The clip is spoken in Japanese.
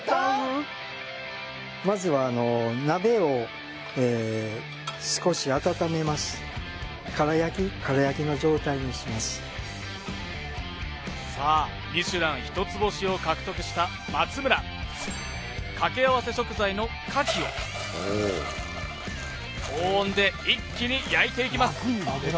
まずはあのさあミシュラン一つ星を獲得した松村掛け合わせ食材の牡蠣を高温で一気に焼いていきます